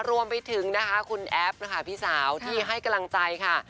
รวมไปถึงนะคะคุณแอฟนะคะพี่สาวที่ให้กำลังใจค่ะ